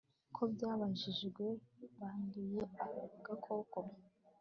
ko by ababajijwe banduye agakoko